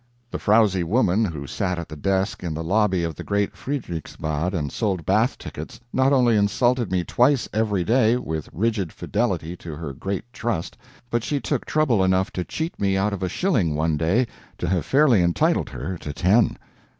The frowsy woman who sat at the desk in the lobby of the great Friederichsbad and sold bath tickets, not only insulted me twice every day, with rigid fidelity to her great trust, but she took trouble enough to cheat me out of a shilling, one day, to have fairly entitled her to ten.